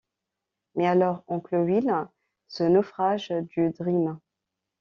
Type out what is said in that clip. Mais alors, oncle Will, ce naufrage du Dream?...